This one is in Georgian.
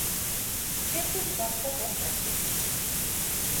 შემდეგ გახდა პოლკოვნიკი.